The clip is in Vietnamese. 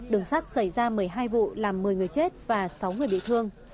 đường sắt xảy ra một mươi hai vụ làm một mươi người chết và sáu người bị thương